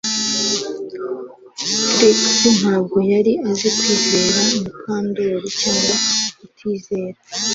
Trix ntabwo yari azi kwizera Mukandoli cyangwa kutizera